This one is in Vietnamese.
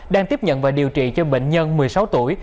đang tiếp nhận và điều trị cho bệnh nhân một mươi sáu tuổi